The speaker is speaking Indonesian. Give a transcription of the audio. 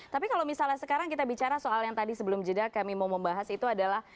tapi kalau misalnya sekarang kita bicara soal yang tadi sebelum jeda kami mau membahas itu adalah